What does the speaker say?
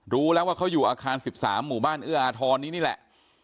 รู้แล้วว่าเขาอยู่อาคาร๑๓หมู่บ้านเอื้ออาทรนี้นี่แหละ